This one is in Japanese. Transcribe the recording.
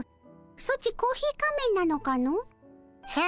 ソチコーヒー仮面なのかの？へ？